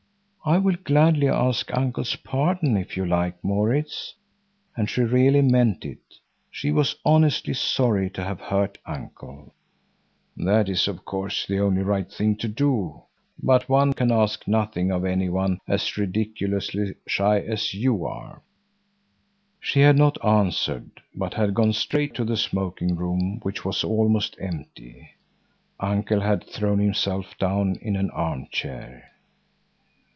"I will gladly ask Uncle's pardon, if you like, Maurits." And she really meant it. She was honestly sorry to have hurt Uncle. "That is of course the only right thing to do; but one can ask nothing of any one as ridiculously shy as you are." She had not answered, but had gone straight to the smoking room, which was almost empty. Uncle had thrown himself down in an arm chair.